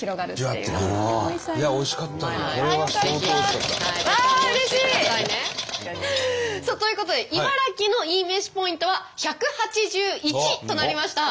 うわうれしい！ということで茨城のいいめしポイントは１８１となりました。